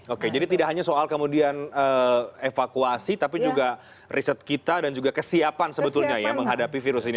oke jadi tidak hanya soal kemudian evakuasi tapi juga riset kita dan juga kesiapan sebetulnya ya menghadapi virus ini